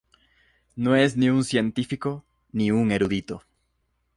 No es ni un científico ni un erudito.